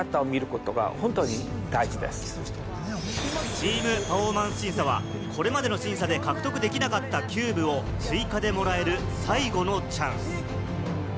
チーム・パフォーマンス審査はこれまでの審査で獲得できなかったキューブを追加でもらえる最後のチャンス。